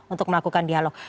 untuk melakukan dialog